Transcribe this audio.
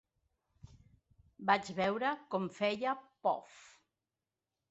Vaig veure com feia ‘pof’.